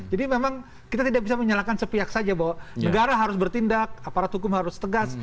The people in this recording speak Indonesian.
jadi memang kita tidak bisa menyalahkan sepihak saja bahwa negara harus bertindak aparat hukum harus tegas